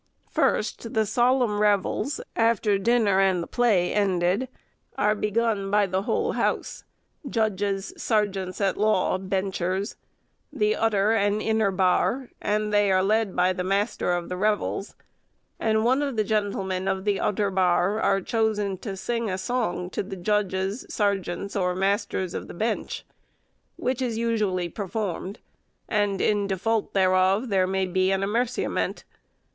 "First, the solemn revells (after dinner and the play ended,) are begun by the whole house, judges, sergeants at law, benchers; the utter and inner barr; and they led by the master of the revels; and one of the gentlemen of the utter barr are chosen to sing a song to the judges, sergeants, or masters of the bench; which is usually performed; and in default thereof there may be an amerciament.